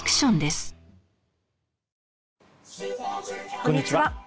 こんにちは。